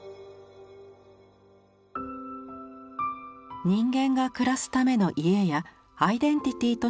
人間が暮らすための「家」やアイデンティティとしての「故郷」。